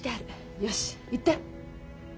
よし言って。